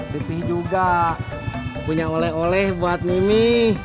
bersih juga punya oleh oleh buat mimi